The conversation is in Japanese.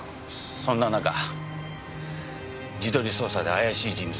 そんな中地取り捜査で怪しい人物が浮かんだ。